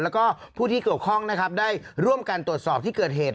แล้วก็ผู้ที่เกี่ยวข้องนะครับได้ร่วมกันตรวจสอบที่เกิดเหตุ